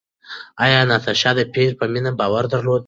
ایا ناتاشا د پییر په مینه باور درلود؟